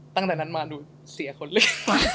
ตั้งแต่นั้นมาหนูเสียคนเล็ก